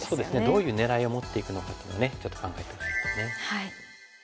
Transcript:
どういう狙いを持っていくのかというのをねちょっと考えてほしいですね。